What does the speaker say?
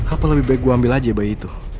apa lebih baik gue ambil aja bayi itu